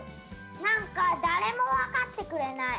なんかだれもわかってくれない。